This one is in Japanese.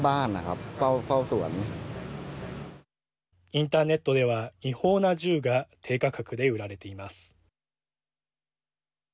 インターネットでは違法な銃が低価格で売られています。